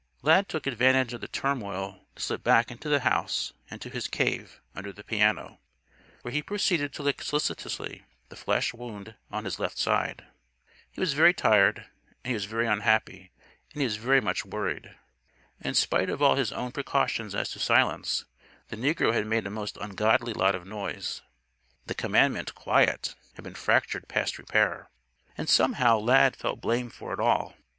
Lad took advantage of the turmoil to slip back into the house and to his "cave" under the piano; where he proceeded to lick solicitously the flesh wound on his left side. He was very tired; and he was very unhappy and he was very much worried. In spite of all his own precautions as to silence, the negro had made a most ungodly lot of noise. The commandment "Quiet!" had been fractured past repair. And, somehow, Lad felt blame for it all.